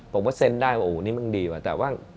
ผมก็เซ็นได้ว่าโอ้นี่มึงดีว่ะแต่ว่า